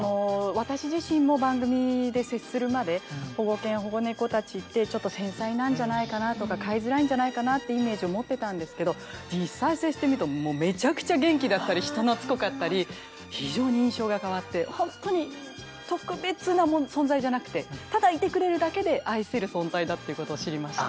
私自身も番組で接するまで保護犬保護猫たちってちょっと繊細なんじゃないかなとか飼いづらいんじゃないかなってイメージを持ってたんですけど実際接してみるともうめちゃくちゃ元気だったり人なつっこかったり非常に印象が変わって本当に特別な存在じゃなくてただいてくれるだけで愛せる存在だっていうことを知りました。